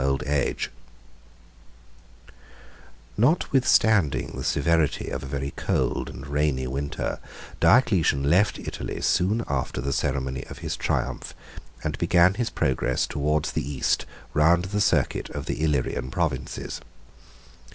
] Notwithstanding the severity of a very cold and rainy winter, Diocletian left Italy soon after the ceremony of his triumph, and began his progress towards the East round the circuit of the Illyrian provinces.